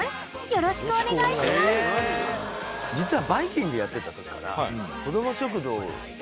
実は。